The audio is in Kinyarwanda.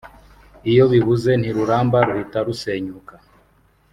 iyo bibuze ntiruramba ruhita rusenyuka